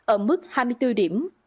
ở mức hai mươi bốn điểm